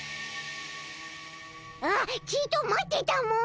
あちと待ってたも。